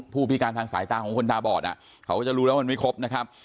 ผู้พิการทางสายตาของคนตาบอดเขาก็จะรู้แล้วมันไม่ครบนะครับ